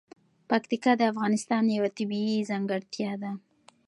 پکتیکا د افغانستان یوه طبیعي ځانګړتیا ده.